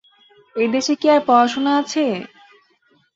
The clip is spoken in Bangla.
এই দেশে কি আর পড়াশোনা আছে?